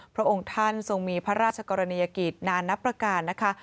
พระองค์ท่านทรงมีพระราชกรณียกิจนานนับประการนะคะ